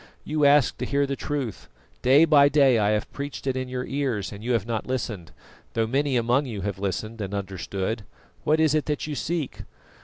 You ask to hear the truth; day by day I have preached it in your ears and you have not listened, though many among you have listened and understood. What is it that you seek?"